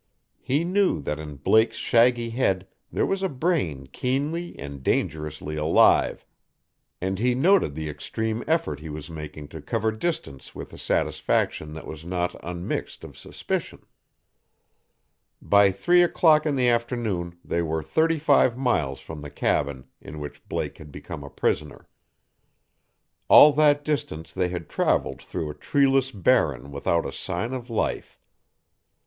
He knew that in Blake's shaggy head there was a brain keenly and dangerously alive, and he noted the extreme effort he was making to cover distance with a satisfaction that was not unmixed of suspicion. By three o'clock in the afternoon they were thirty five miles from the cabin in which Blake had become a prisoner. All that distance they had traveled through a treeless barren without a sign of life.